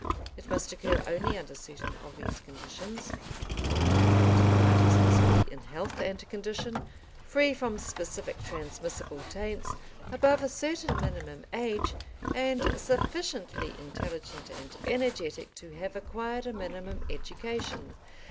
It must occur only under certain obvious conditions, the contracting parties must be in health and condition, free from specific transmissible taints, above a certain minimum age, and sufficiently intelligent and energetic to have acquired a minimum education.